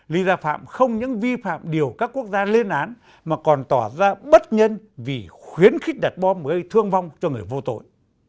lý gia phạm không những vi phạm điều các quốc gia lên án mà còn tỏ ra bất nhân vì khuyến khích đặt bom gây thương vong cho người vô tội